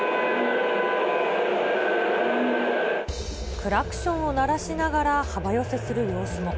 クラクションを鳴らしながら幅寄せする様子も。